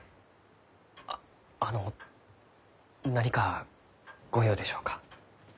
ああの何かご用でしょうか？